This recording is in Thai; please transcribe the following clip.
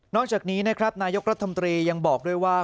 จากนี้นะครับนายกรัฐมนตรียังบอกด้วยว่า